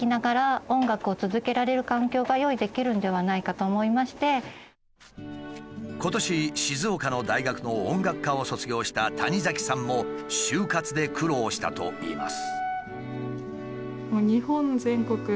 そもそも今年静岡の大学の音楽科を卒業した谷嵜さんも就活で苦労したといいます。